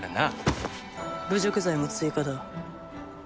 侮辱罪も追加だ。